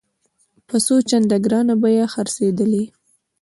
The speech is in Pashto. په څو چنده ګرانه بیه خرڅېدلې.